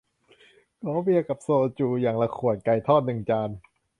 ขอเบียร์กับโซจู อย่างละขวด ไก่ทอดหนึ่งจาน